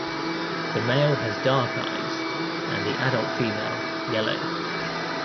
The male has dark eyes and the adult female, yellow.